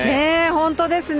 本当ですね。